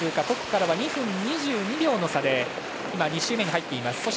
トップからは２分２２秒差で２周目に入っています。